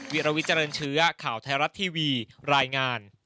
วิรวิเจริญเชื้อข่าวไทยรัฐทีวีรายงาน